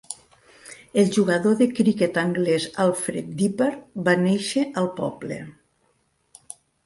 El jugador de criquet anglès Alfred Dipper va néixer al poble.